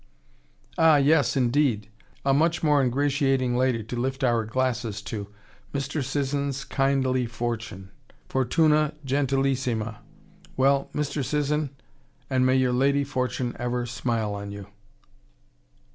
"Ah, yes, indeed! A much more ingratiating lady to lift our glasses to. Mr. Sisson's kindly fortune. Fortuna gentil issima! Well, Mr. Sisson, and may your Lady Fortune ever smile on you."